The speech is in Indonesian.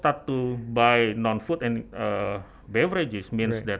orang orang mulai membeli makanan dan beberapa makanan